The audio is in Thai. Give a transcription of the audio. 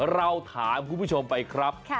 เราถามคุณผู้ชมไปครับ